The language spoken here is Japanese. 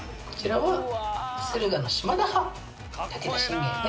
こちらは。